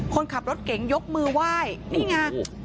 คนขับรถเก๋งยกมือไหว้นี่ไง